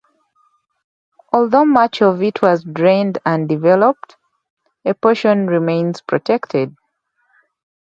Although much of it was drained and developed, a portion remains protected.